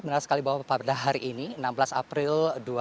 benar sekali bahwa pada hari ini enam belas april dua ribu dua puluh